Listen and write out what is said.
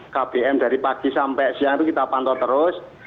kbm dari pagi sampai siang itu kita pantau terus